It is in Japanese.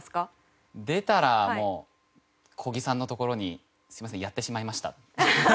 出たらもう小木さんのところに「すみませんやってしまいました」。